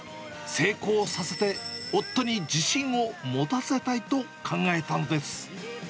成功させて、夫に自信を持たせたいと考えたのです。